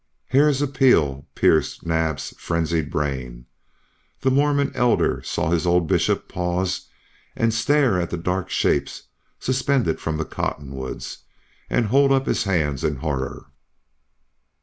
Hare's appeal pierced Naab's frenzied brain. The Mormon Elder saw his old Bishop pause and stare at the dark shapes suspended from the cottonwoods and hold up his hands in horror.